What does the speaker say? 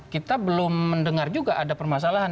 kita belum mendengar juga ada permasalahan